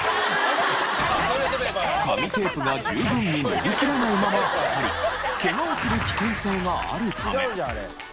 紙テープが十分に伸びきらないまま当たりケガをする危険性があるため。